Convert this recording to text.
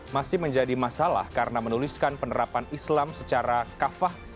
masih menjadi masalah karena menuliskan penerapan islam secara kafah